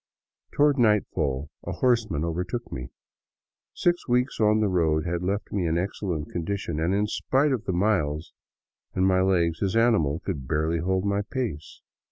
Toward nightfall a horseman overtook me. Six weeks on the road had left me in excellent condition, and in spite of the miles in my legs his animal could barely hold my pace.